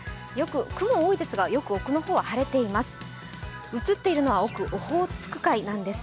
雲が多いですが、奥の方は晴れています。